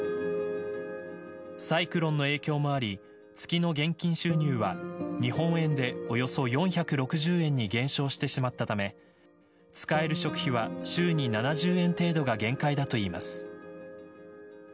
サイクロンの影響もあり月の現金収入は、日本円でおよそ４６０円に減少してしまったため使える食費は週に７０円程度が限界だといいます。